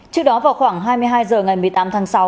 trước đó vào khoảng hai mươi hai h ngày một mươi tám tháng sáu